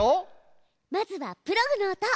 まずはプログの音。